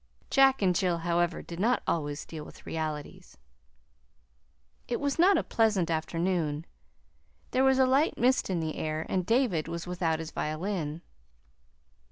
Jack and Jill, however, did not always deal with realities.) It was not a pleasant afternoon. There was a light mist in the air, and David was without his violin.